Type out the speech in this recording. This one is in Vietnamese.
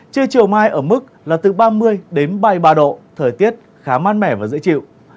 trưa chiều mai ở mức là từ ba mươi đến ba mươi ba độ thời tiết khá mát mẻ và dễ chịu